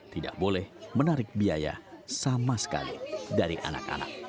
tidak boleh menarik biaya sama sekali dari anak anak